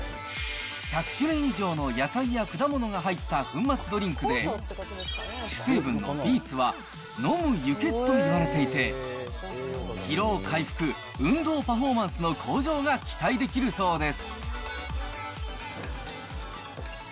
１００種類以上の野菜や果物が入った粉末ドリンクで、主成分のビーツは飲む輸血といわれていて、疲労回復、運動パフォーマンスの向上が期待できるそうです。